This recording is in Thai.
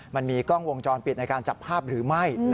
มันมีกล้องวงจรปิดในการจับภาพหรือไม่